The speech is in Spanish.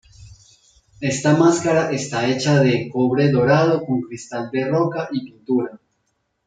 Esta máscara está hecha de cobre dorado con cristal de roca y pintura.